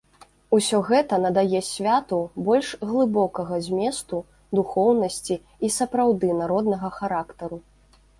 Усё гэта надае святу больш глыбокага зместу, духоўнасці і сапраўды народнага характару.